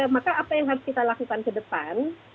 maka apa yang harus kita lakukan ke depan